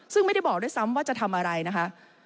ซึ่งไม่ได้บอกด้วยซ้ำว่าจะทำอะไรนะคะ